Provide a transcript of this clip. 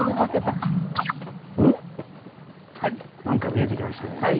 何か見えてきましたね。